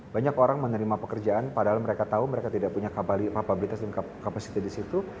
banyak orang menerima pekerjaan padahal mereka tahu mereka tidak punya kapasitas dan kapabilitas disitu